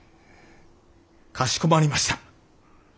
かしこまりました。